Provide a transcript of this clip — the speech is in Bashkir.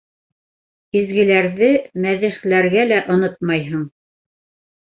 Изгеләрҙе мәҙихләргә лә онотмайһың.